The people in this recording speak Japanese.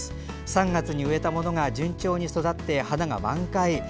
３月に植えたものが順調に育って花が満開です。